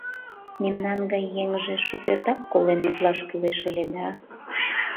Мемнан гай еҥже шукертак колен утлаш кӱлеш ыле да...